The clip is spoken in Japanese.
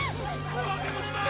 ・化け物だ！